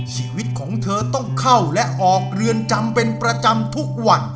ชีวิตของเธอต้องเข้าและออกเรือนจำเป็นประจำทุกวัน